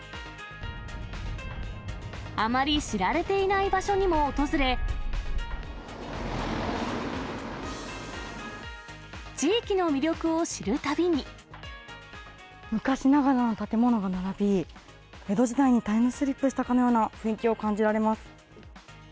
あまり知られていない場所にも訪れ、昔ながらの建物が並び、江戸時代にタイムスリップしたかのような雰囲気を感じられます。